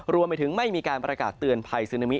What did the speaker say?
รวมไปถึงไม่มีการประกาศเตือนภัยซึนามิ